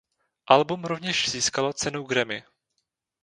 Album rovněž získalo cenu Grammy.